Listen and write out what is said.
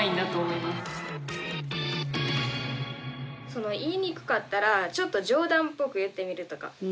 その言いにくかったらちょっと冗談っぽく言ってみるとか。